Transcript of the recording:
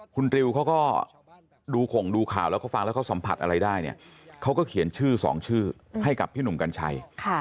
คุณริวเขาก็ดูข่งดูข่าวแล้วเขาฟังแล้วเขาสัมผัสอะไรได้เนี่ยเขาก็เขียนชื่อสองชื่อให้กับพี่หนุ่มกัญชัย